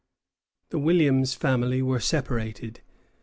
The Williams family were separated.